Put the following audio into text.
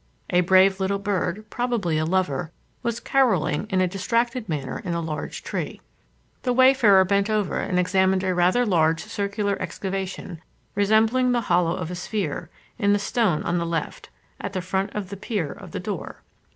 A brave little bird, probably a lover, was carolling in a distracted manner in a large tree. The wayfarer bent over and examined a rather large circular excavation, resembling the hollow of a sphere, in the stone on the left, at the foot of the pier of the door.